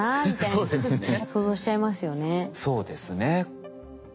そうですね。